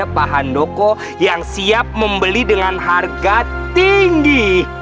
ada pahandoko yang siap membeli dengan harga tinggi